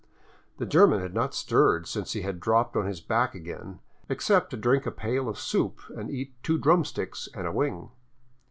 The German had not stirred since he had dropped on his back again — except to drink a pail of soup and eat two drumsticks and a wing.